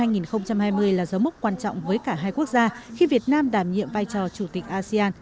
năm hai nghìn hai mươi là dấu mốc quan trọng với cả hai quốc gia khi việt nam đảm nhiệm vai trò chủ tịch asean